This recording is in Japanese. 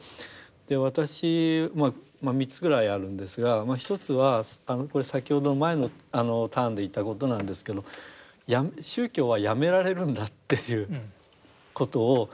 私はまあ３つぐらいあるんですが１つはこれ先ほど前のターンで言ったことなんですけど宗教はやめられるんだっていうことを。